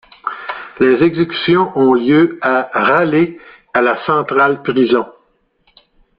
Les exécutions ont lieu à Raleigh à la Central Prison.